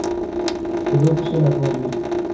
کیلـو په شل افغانۍ.